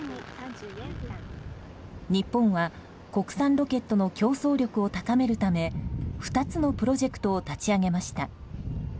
日本は、国産ロケットの競争力を高めるため２つのプロジェクトを立ち上げました。